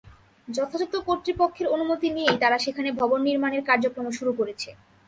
যথাযথ কর্তৃপক্ষের অনুমতি নিয়েই তারা সেখানে ভবন নির্মাণের কার্যক্রম শুরু করেছে।